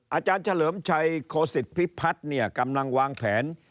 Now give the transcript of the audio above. อาจารย์เฉลิมชัยโคสิตพิพัฒน์กำลังวางแผน